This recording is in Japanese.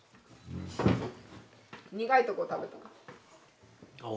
苦いとこ食べたら。